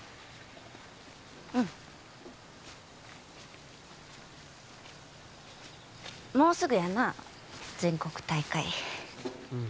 うんもうすぐやな全国大会うん